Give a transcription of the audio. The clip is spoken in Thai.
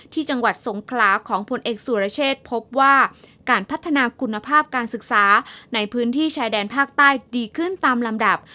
จังหวัดสงขลาของผลเอกสุรเชษพบว่าการพัฒนาคุณภาพการศึกษาในพื้นที่ชายแดนภาคใต้ดีขึ้นตามลำดับ